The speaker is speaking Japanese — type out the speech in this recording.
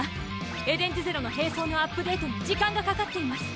エデンズゼロの兵装のアップデートに時間がかかっています。